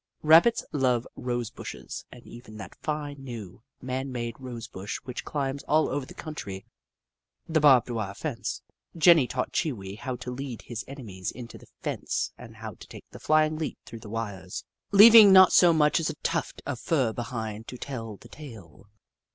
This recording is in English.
Rabbits love rose bushes and even that fine, new, man made rose bush which climbs all over the country — the barbed wire fence. Jenny taught Chee Wee how to lead his enemies into the fence and how to take the flying leap through the wires, leaving not so Jenny Ragtail i8i much as a tuft of fur behind to tell the tale.